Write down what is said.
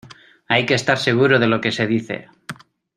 hay que estar seguro de lo que se dice